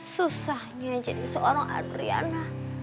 susahnya jadi seorang adriana